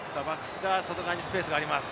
外側にスペースがあります。